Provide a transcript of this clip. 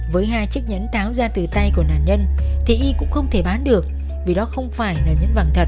với hai chiếc nhẫn tháo ra từ tay của nạn nhân thì y cũng không thể bán được vì đó không phải là nhẫn vẳng thật